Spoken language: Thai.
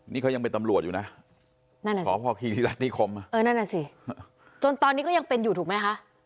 นี่เขายังเป็นตำรวจอยู่นะนั่นแหละสิสพคีริรัฐนิคมเออนั่นน่ะสิจนตอนนี้ก็ยังเป็นอยู่ถูกไหมคะ